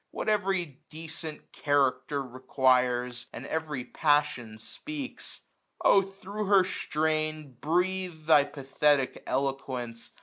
What every decent character requires. And every passion speaks : O thro* her strain Breathe thy pathetic eloquence